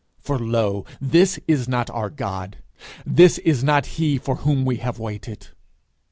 For lo, this is not our God! This is not he for whom we have waited!'